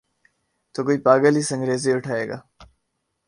تو کوئی پاگل ہی سنگریزے اٹھائے گا۔